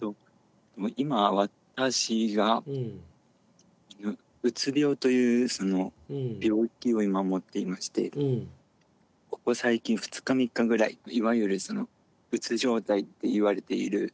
今私がうつ病というその病気を今持っていましてここ最近２日３日ぐらいいわゆるそのうつ状態っていわれている。